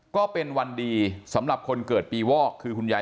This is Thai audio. ก็เป็นวันดีสำหรับคนเกิดปีวอกคือคุณยาย